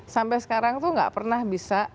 sampai sekarang tuh gak pernah bisa